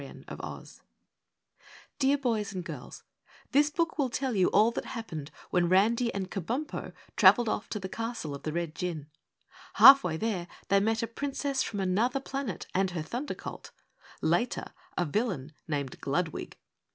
]Dear Boys and Girls: This book will tell you all that happened when Randy and Kabumpo traveled off to the Castle of the Red Jinn. Halfway there they met a Princess from Anuther Planet and her Thunder Colt; later, a villain named Gludwig.